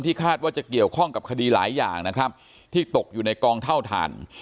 คาดว่าจะเกี่ยวข้องกับคดีหลายอย่างนะครับที่ตกอยู่ในกองเท่าฐาน